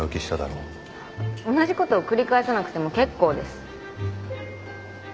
同じことを繰り返さなくても結構です。